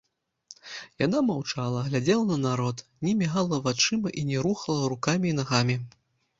Яна маўчала, глядзела на народ, не мігала вачыма і не рухала рукамі і нагамі.